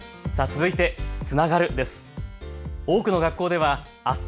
続いて、つながるです。